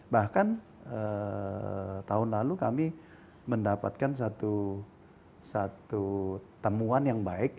bahkan tahun lalu kami mendapatkan satu temuan yang baik